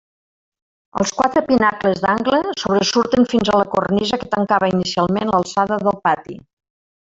Els quatre pinacles d'angle sobresurten fins a la cornisa que tancava inicialment l'alçada del pati.